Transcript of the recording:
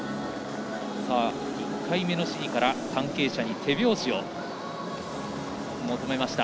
１回目の試技から関係者に手拍子を求めました。